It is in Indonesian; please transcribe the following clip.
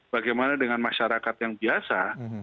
bagaimana dengan masyarakat yang biasa